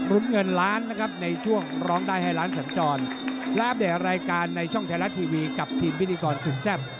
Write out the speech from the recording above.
เงินล้านนะครับในช่วงร้องได้ให้ล้านสัญจรและอัปเดตรายการในช่องไทยรัฐทีวีกับทีมพิธีกรสุดแซ่บ